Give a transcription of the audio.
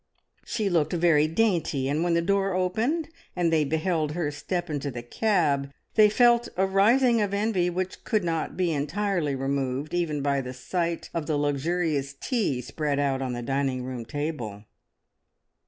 She looked very dainty, and when the door opened and they beheld her step into the cab, they felt a rising of envy which could not be entirely removed, even by the sight of the luxurious tea spread out on the dining room table.